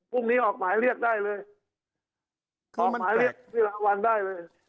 พรุ่งนี้ออกหมายเรียกได้เลยออกหมายเรียกวิระวันได้เลย